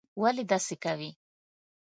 ولي داسې کوې?